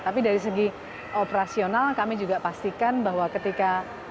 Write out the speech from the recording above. tapi dari segi operasional kami juga pastikan bahwa ketika